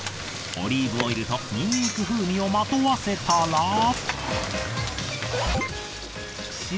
オリーブオイルとニンニク風味をまとわせたら。